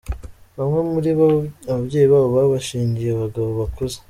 Bamwe muri bo ababyeyi babo babashyingiye abagabo bakuze.